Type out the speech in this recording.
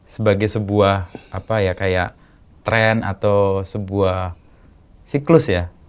sebagai sebuah apa ya kayak tren atau sebuah siklus ya